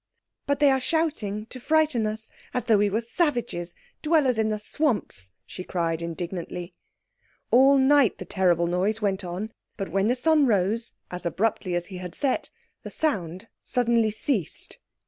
But they are shouting to frighten us. As though we were savages! Dwellers in the swamps!" she cried indignantly. All night the terrible noise went on, but when the sun rose, as abruptly as he had set, the sound suddenly ceased.